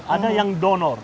ada yang donor